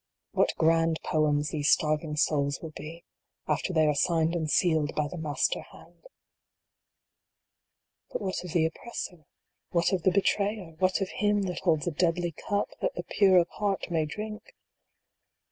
What grand poems these starving souls will be, after they are signed and sealed by the Master hand ! But what of the oppressor ? What of the betrayer ? What of him that holds a deadly cup, that the pure of heart may drink